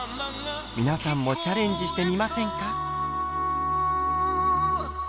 皆さんもチャレンジしてみませんか？